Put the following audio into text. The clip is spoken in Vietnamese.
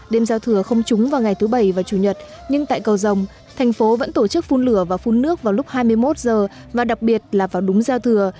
đêm giao thừa không trúng vào ngày thứ bảy và chủ nhật nhưng tại cầu rồng thành phố vẫn tổ chức phun lửa và phun nước vào lúc hai mươi một h và đặc biệt là vào đúng giao thừa